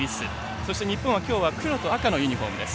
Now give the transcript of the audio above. そして、日本は黒と赤のユニフォームです。